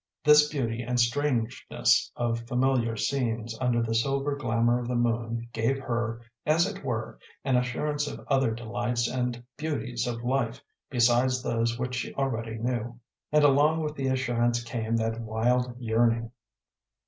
This beauty and strangeness of familiar scenes under the silver glamour of the moon gave her, as it were, an assurance of other delights and beauties of life besides those which she already knew, and along with the assurance came that wild yearning.